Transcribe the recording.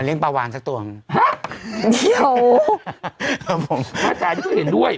เลี้ยงปลาวางสักตัวเหมือนกันครับผมอาจารย์ก็เห็นด้วย